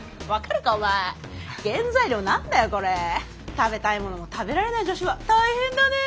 食べたいものも食べられない女子は大変だね。